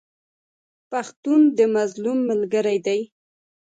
پښتون د مظلوم ملګری دی.